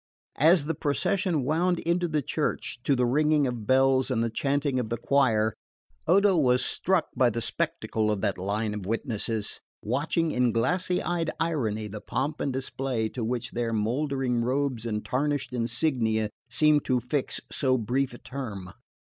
As the procession wound into the church, to the ringing of bells and the chanting of the choir, Odo was struck by the spectacle of that line of witnesses, watching in glassy eyed irony the pomp and display to which their moldering robes and tarnished insignia seemed to fix so brief a term.